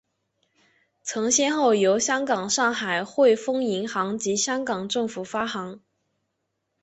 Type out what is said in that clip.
曾先后由香港上海汇丰银行及香港政府发行。